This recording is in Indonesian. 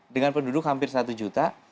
dengan penduduk hampir satu juta